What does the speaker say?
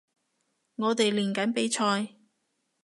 我哋練緊比賽